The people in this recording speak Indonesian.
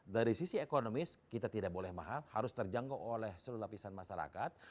dari sisi ekonomis kita tidak boleh mahal harus terjangkau oleh seluruh lapisan masyarakat